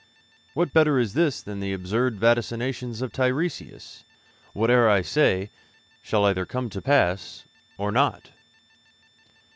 What better is this than the absurd vaticination of Teiresias? '"Whate'er I say Shall either come to pass or not."